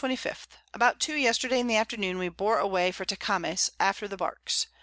_ About 2 Yesterday in the Afternoon we bore away for Tecames, after the Barks.